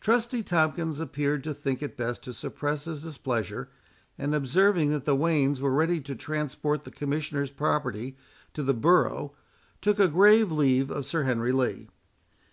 Trusty Tomkins appeared to think it best to suppress his displeasure; and observing that the wains were ready to transport the Commissioners' property to the borough, took a grave leave of Sir Henry Lee.